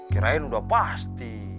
kirain udah pasti